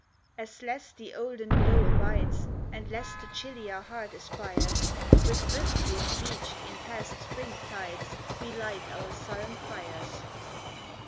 As less the olden glow abides, And less the chillier heart aspires, With drift wood beached in past spring tides We light our sullen fires.